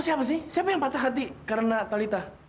siapa sih siapa yang patah hati karena talita